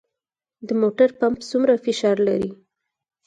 د موټر پمپ څومره فشار لري؟